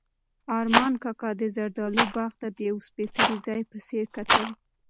ارمان کاکا د زردالو باغ ته د یو سپېڅلي ځای په څېر کتل.